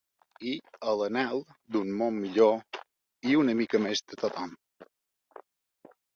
I a l’anhel d’un món millor i una mica més de tothom.